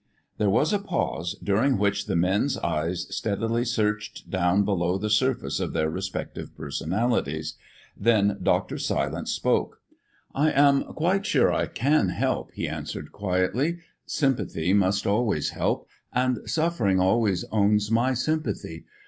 There was a pause during which the men's eyes steadily searched down below the surface of their respective personalities. Then Dr. Silence spoke. "I am quite sure I can help," he answered quietly; "sympathy must always help, and suffering always owns my sympathy.